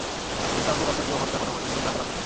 কিন্তু অঙ্গ কর্তন কিংবা হত্যা করা পর্যন্ত তা গড়াতো না।